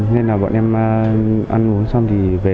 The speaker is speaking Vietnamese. nên là bọn em ăn uống xong thì về